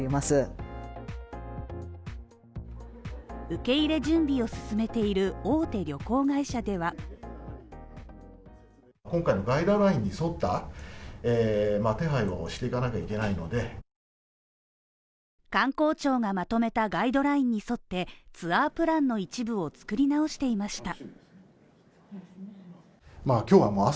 受け入れ準備を進めている大手旅行会社では観光庁がまとめたガイドラインに沿ってツアープランの一部を作り直していました。